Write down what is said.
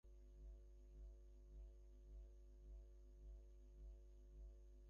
BCB সূত্রের তথ্য, cheque জমা দিলে আজ-কালের মধ্যেই টাকা পেয়ে যাবেন ক্রিকেটাররা।